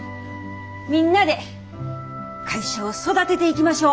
みんなで会社を育てていきましょう！